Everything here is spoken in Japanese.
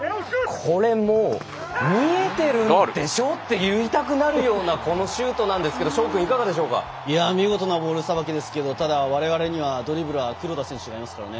これもう見えてるんでしょうって言いたくなるようなこのシュートなんですけど見事なボールさばきですけれどもただ、われわれにはドリブラー黒田選手がいますからね。